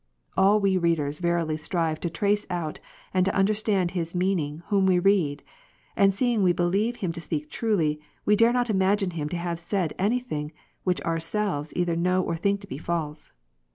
All we readers verily strive to trace out and to understand his mean ing whom we read ; and seeing we believe him to speak truly, we dare not imagine him to have said any thing, which our selves either know or think to be false.